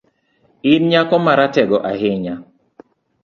In nyako ma ratego ahinya